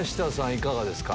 いかがですか？